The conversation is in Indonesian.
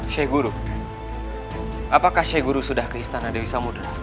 sheikh guru apakah saya guru sudah ke istana dewi samudera